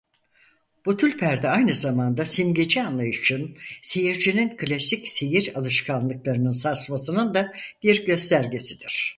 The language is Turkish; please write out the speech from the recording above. Bu tül perde aynı zamanda simgeci anlayışın seyircinin klasik seyir alışkanlıklarını sarsmasının da bir göstergesidir.